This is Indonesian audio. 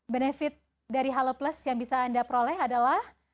benefit dari halo plus yang bisa anda peroleh adalah